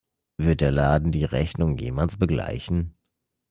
Wird der Laden die Rechnung jemals begleichen?